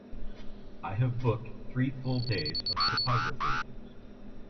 I have booked three full days of photography.